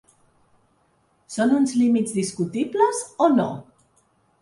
Són uns límits discutibles o no?